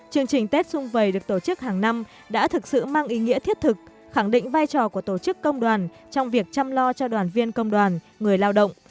chương trình tết xung vầy được tổ chức hàng năm đã thực sự mang ý nghĩa thiết thực khẳng định vai trò của tổ chức công đoàn trong việc chăm lo cho đoàn viên công đoàn người lao động